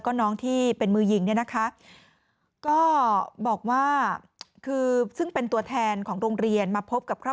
ฟังเสียงคุณแม่และก็น้องที่เสียชีวิตค่ะ